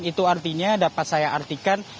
itu artinya dapat saya artikan